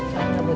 sengai kabut ya